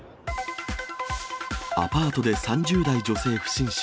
アパートで３０代女性不審死。